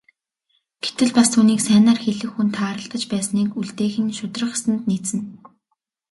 Гэтэл бас түүнийг сайнаар хэлэх хүн тааралдаж байсныг үлдээх нь шударга ёсонд нийцнэ.